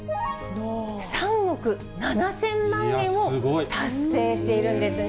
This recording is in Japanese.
３億７０００万円を達成しているんですね。